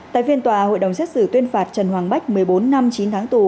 tại phiên tòa hội đồng xét xử tuyên phạt trần hoàng bách một mươi bốn năm chín tháng tù